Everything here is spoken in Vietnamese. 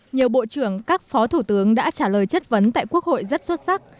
nhiều bộ trưởng các phó thủ tướng đã trả lời chất vấn tại quốc hội rất xuất sắc